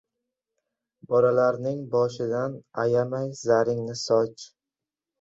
Bolalarning boshidan ayamay zaringni soch